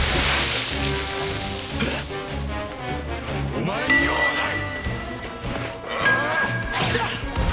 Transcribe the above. お前に用はない！